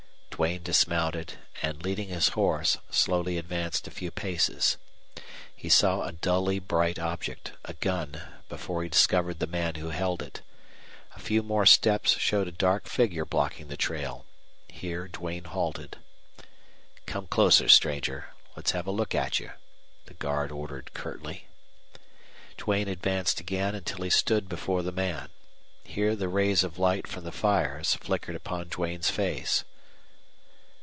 Duane dismounted, and, leading his horse, slowly advanced a few paces. He saw a dully bright object a gun before he discovered the man who held it. A few more steps showed a dark figure blocking the trail. Here Duane halted. "Come closer, stranger. Let's have a look at you," the guard ordered, curtly. Duane advanced again until he stood before the man. Here the rays of light from the fires flickered upon Duane's face.